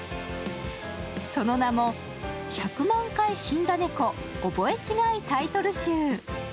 その名も「１００万回死んだねこ覚え違いタイトル集」。